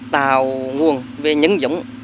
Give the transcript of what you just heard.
tào nguồn về nhân dụng